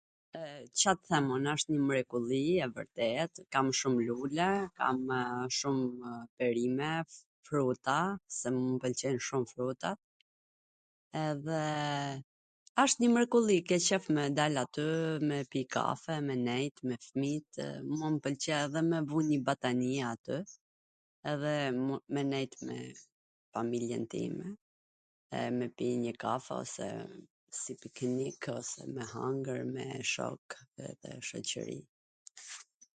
E Ca t them un, wsht njw mrekulli e vwrtet, kam shum lule, kamw shumw perime, fruta, se mw pwlqejn shum frutat, edhe asht njw mrekulli, ke qef me dal aty, me pi kafe, me nejt me fmijtw, mu m pwlqe edhe me vu nji batanie aty edhe me nejt me familjen time e me pi njw kafe ose si tw kinik [???] ose me hangwr me shok edhe shoqri.